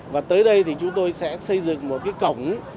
và tới đây thì chúng tôi sẽ xây dựng một cái cổng